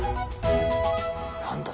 何だ？